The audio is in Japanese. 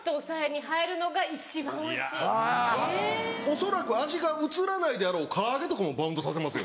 ・恐らく味が移らないであろう唐揚げとかもバウンドさせますよ。